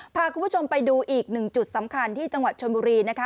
พาคุณผู้ชมไปดูอีกหนึ่งจุดสำคัญที่จังหวัดชนบุรีนะคะ